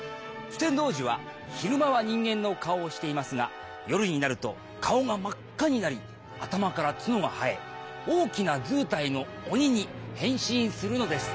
酒呑童子は昼間は人間の顔をしていますが夜になると顔が真っ赤になり頭から角が生え大きなずうたいの鬼に変身するのです。